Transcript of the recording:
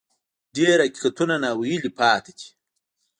ډېر حقیقتونه ناویلي پاتې دي.